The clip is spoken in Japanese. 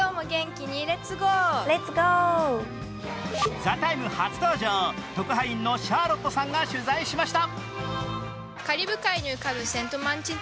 「ＴＨＥＴＩＭＥ，」初登場特派員のシャーロットさんが取材しました。